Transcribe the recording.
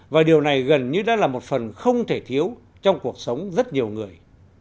và điều này gần như đã là một phần không thể thiếu trong cuộc sống rất nhiều người